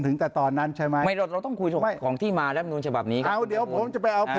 คือเมื่อกี้เนี่ยเขาบทหมายเขาอยู่ไหนผมไม่รู้